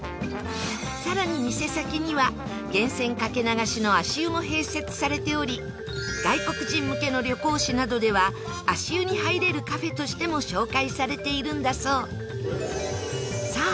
更に店先には、源泉掛け流しの足湯も併設されており外国人向けの旅行誌などでは足湯に入れるカフェとしても紹介されているんだそうさあ